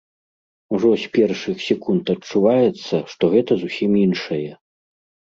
Ужо з першых секунд адчуваецца, што гэта зусім іншае.